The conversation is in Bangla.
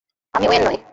আমি ওয়েন নই।